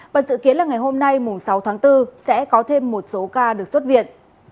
và dự kiến là ngày hôm nay sáu tháng bốn sẽ có thêm một số ca được xuất viện